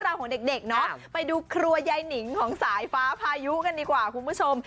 ราวของเด็กเนาะไปดูครัวยายนิงของสายฟ้าพายุกันดีกว่าคุณผู้ชม